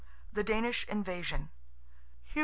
THE DANISH INVASION. Hugh VI.